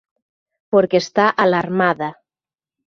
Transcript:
Porque está alarmada.